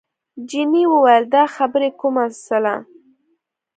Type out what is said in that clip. جینۍ وویل دا خبرې کوې څله؟